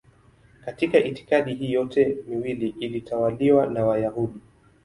Katika itikadi hii yote miwili ilitawaliwa na Wayahudi.